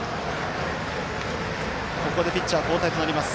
ここでピッチャー交代となります。